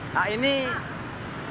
nah ini luar biasa